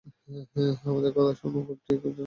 আমাদের কথা শোন কুট্টি এটা করিস না।